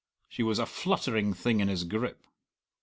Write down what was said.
She was a fluttering thing in his grip.